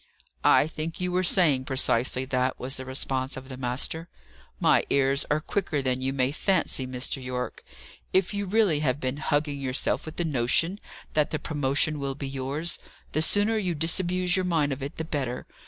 "I think you were saying precisely that," was the response of the master. "My ears are quicker than you may fancy, Mr. Yorke. If you really have been hugging yourself with the notion that the promotion will be yours, the sooner you disabuse your mind of it, the better.